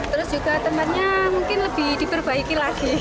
terus juga tempatnya mungkin lebih diperbaiki lagi